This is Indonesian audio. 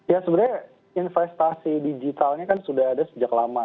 ya sebenarnya investasi digitalnya kan sudah ada sejak lama